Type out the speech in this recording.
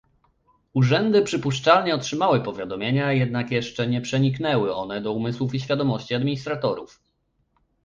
Urzędy przypuszczalnie otrzymały powiadomienia, jednak jeszcze nie przeniknęły one do umysłów i świadomości administratorów